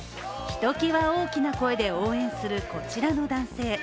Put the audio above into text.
ひときわ大きな声で応援するこちらの男性。